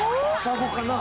双子かな？